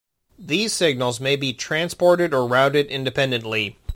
These signals may be transported or routed independently.